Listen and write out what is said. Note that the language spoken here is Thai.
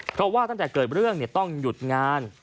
เพราะว่าตั้งแต่เกิดเรื่องต้องหยุดงาน